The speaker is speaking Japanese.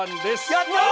やったー！